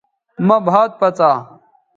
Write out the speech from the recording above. مے بھات پڅا